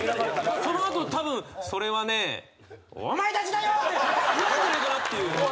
そのあと多分「それはねお前たちだよ！」って言われるんじゃないかなっていう。